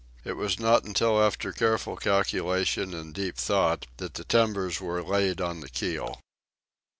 It was not until after careful calculation and deep thought that the timbers were laid on the keel.